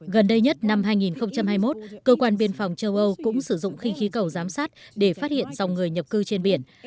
gần đây nhất năm hai nghìn hai mươi một cơ quan biên phòng châu âu cũng sử dụng khinh khí cầu giám sát để phát hiện dòng người nhập cư trên biển